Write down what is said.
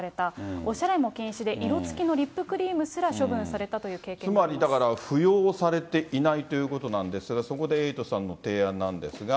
おしゃれも禁止で、色つきのリップクリームすら処分されたというつまりだから、扶養されていないということなんですが、そこでエイトさんの提案なんですが。